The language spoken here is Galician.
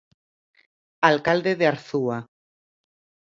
Alcalde de Arzúa.